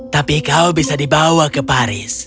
tapi kau bisa dibawa ke paris